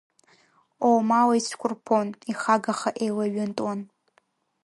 Омала ицәқәырԥон, ихагаха еилаҩынтуан.